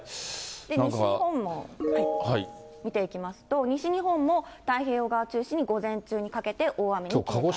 西日本も見ていきますと、西日本も、太平洋側中心に午前中にかけて大雨に警戒。